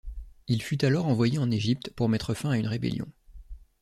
Il fut alors envoyé en Égypte pour mettre fin à une rébellion.